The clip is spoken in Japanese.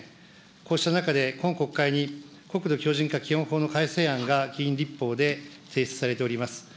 こうした中で、今国会に国土強じん化基本法の改正案が、議員立法で提出されております。